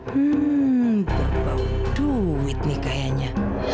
hmm berbau duit nih kayaknya